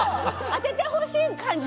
当ててほしい感じ